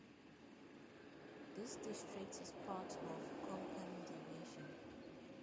This district is part of Konkan division.